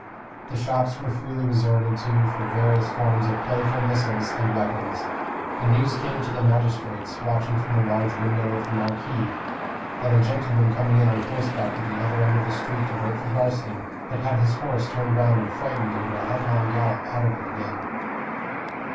The shops were freely resorted to for various forms of playful missiles and weapons; and news came to the magistrates, watching from the large window of the Marquis, that a gentleman coming in on horseback at the other end of the street to vote for Garstin had had his horse turned round and frightened into a headlong gallop out of it again.